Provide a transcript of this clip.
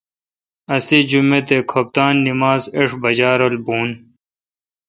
اسے° جمیت اے°کھپتان نماز ایݭٹھ بجا رل بون